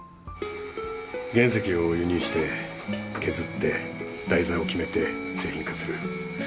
原石を輸入して削って台座を決めて製品化する。